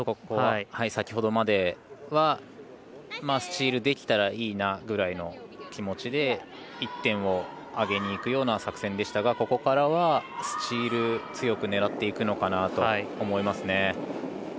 先ほどまではスチールできたらいいなぐらいな気持ちで１点をあげにいくような作戦でしたがここからは、スチール強く狙っていくのかなと思いますね。